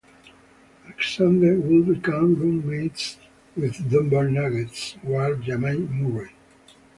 Alexander would become roommates with Denver Nuggets guard Jamal Murray.